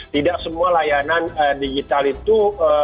tidak semua layanan digital itu